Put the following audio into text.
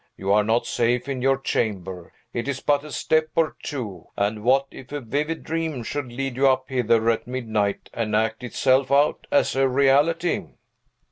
You are not safe in your chamber. It is but a step or two; and what if a vivid dream should lead you up hither at midnight, and act itself out as a reality!"